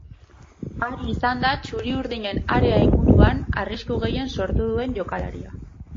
Ari izan da txuri-urdinen area inguruan arrisku gehien sortu duen jokalaria.